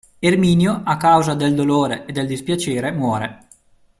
Erminio a causa del dolore e del dispiacere muore.